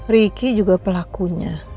riki juga pelakunya